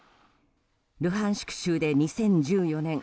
ルハンシク州で２０１４年